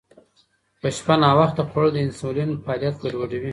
په شپه ناوخته خوړل د انسولین فعالیت ګډوډوي.